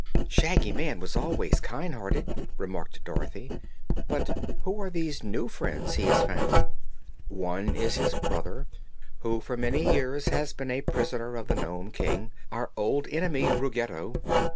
"Shaggy Man was always kind hearted," remarked Dorothy. "But who are these new friends he has found?" "One is his brother, who for many years has been a prisoner of the Nome King, our old enemy Ruggedo.